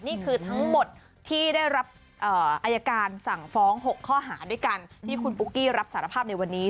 นี่คือทั้งหมดที่ได้รับอายการสั่งฟ้อง๖ข้อหาด้วยกันที่คุณปุ๊กกี้รับสารภาพในวันนี้